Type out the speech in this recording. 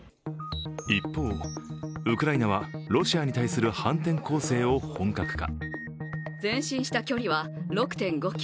一方、ウクライナはロシアに対する反転攻勢を本格化。